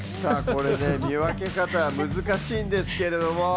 見分け方、難しいんですけれども。